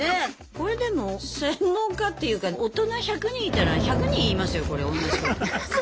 これでも専門家っていうか大人１００人いたら１００人言いますよこれおんなじこと。